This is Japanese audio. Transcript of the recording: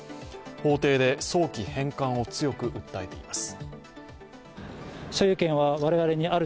法廷で早期返還を強く訴えています。